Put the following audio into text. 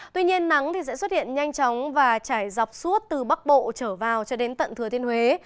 tuy nhiên nắng sẽ xuất hiện nhanh chóng và trải dọc suốt từ bắc bộ trở vào cho đến tận thừa thiên huế